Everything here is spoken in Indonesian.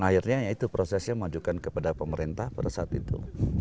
dan akhirnya itu prosesnya dia menunjukkan kepada pemerintah pada saat itu